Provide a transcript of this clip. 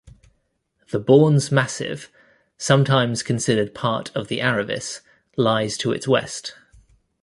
The Bornes massif, sometimes considered part of the Aravis, lies to its west.